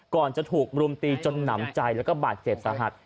ก่อนจะถูกบลุมตีจนหนำใจและบาดเจ็ดสะหัส